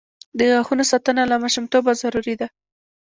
د غاښونو ساتنه له ماشومتوبه ضروري ده.